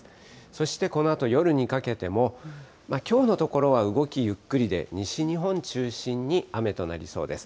そして、このあと夜にかけても、きょうのところは動きゆっくりで、西日本中心に雨となりそうです。